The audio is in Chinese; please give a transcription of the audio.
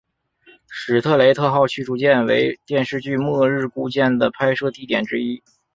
史特雷特号驱逐舰为电视剧末日孤舰的拍摄地点之一